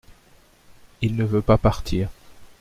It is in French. Il ne veut pas partir.